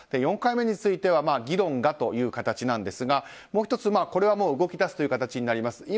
４回目については議論がという形ですがもう１つ、これはもう動き出すという形になります。